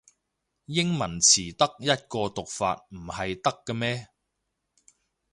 英文詞得一個讀法唔係得咖咩